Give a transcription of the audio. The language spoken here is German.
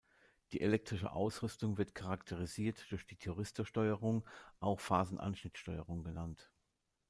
Die elektrische Ausrüstung wird charakterisiert durch die Thyristorsteuerung, auch Phasenanschnittsteuerung genannt.